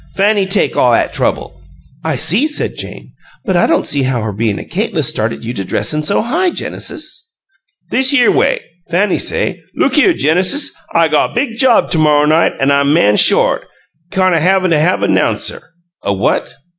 Fanny take all 'at trouble." "I see," said Jane. "But I don't see how her bein' a kaytliss started you to dressin' so high, Genesis." "Thishere way. Fanny say, 'Look here, Genesis, I got big job t'morra night an' I'm man short, 'count o' havin' to have a 'nouncer.'" "A what?"